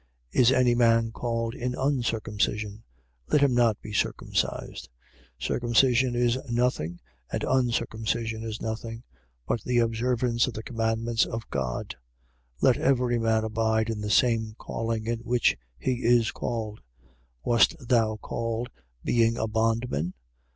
Is any man called in uncircumcision? Let him not be circumcised. 7:19. Circumcision is nothing and uncircumcision is nothing: but the observance of the commandments of God. 7:20. Let every man abide in the same calling in which he was called. 7:21. Wast thou called, being a bondman?